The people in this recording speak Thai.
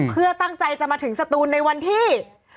เพื่อตั้งใจจะมาถึงสตูนในวันที่